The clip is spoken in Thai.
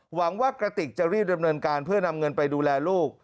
หวังว่ากระติกจะรีบดำเนินการเพื่อนำเงินไปดูแลลูก